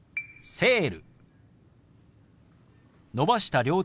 「セール」。